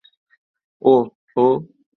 ওহ, হো।